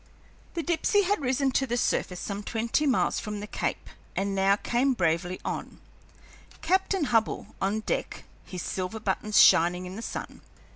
The Dipsey had risen to the surface some twenty miles from the Cape and now came bravely on, Captain Hubbell on deck, his silver buttons shining in the sun.